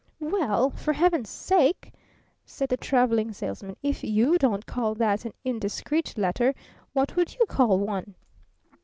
"Well, for heaven's sake!" said the Traveling Salesman. "If you don't call that an indiscreet letter, what would you call one?"